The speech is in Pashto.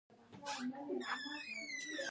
دوی نوي اقتصادي زونونه جوړ کړي دي.